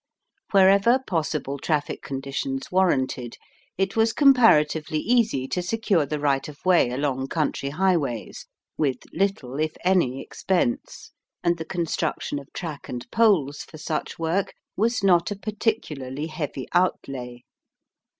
Wherever possible traffic conditions warranted, it was comparatively easy to secure the right of way along country highways with little, if any, expense, and the construction of track and poles for such work was not a particularly heavy outlay.